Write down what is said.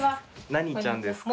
何ちゃんですか？